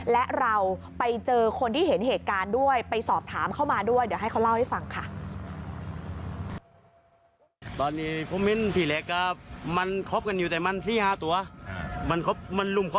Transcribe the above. และเราไปเจอคนที่เห็นเหตุการณ์ด้วยไปสอบถามเข้ามาด้วยเดี๋ยวให้เขาเล่าให้ฟังค่ะ